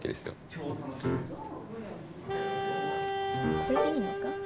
これでいいのか？